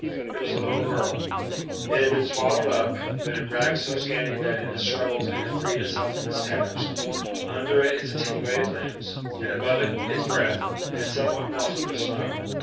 It was a little girl. It had been swaddled up, but in rags so scanty that in its struggles it had freed itself from its tatters. Under it its attenuated limbs, and above it its breath, had somewhat melted the snow.